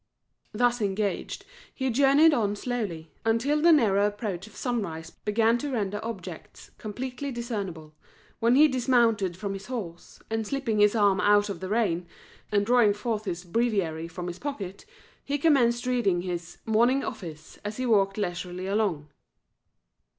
Thus engaged, he journeyed on slowly, until the nearer approach of sunrise began to render objects completely discernible, when he dismounted from his horse, and slipping his arm out of the rein, and drawing forth his "Breviary" from his pocket, he commenced reading his "morning office" as he walked leisurely along.